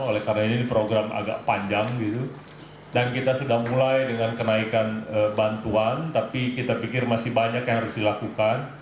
oleh karena ini program agak panjang dan kita sudah mulai dengan kenaikan bantuan tapi kita pikir masih banyak yang harus dilakukan